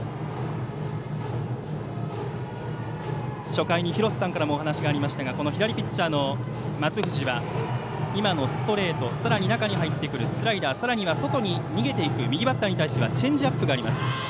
初回に廣瀬さんからもお話がありましたが左ピッチャーの松藤は今のストレートさらに中に入ってくるスライダーさらには外に逃げていく右バッターに対してはチェンジアップがあります。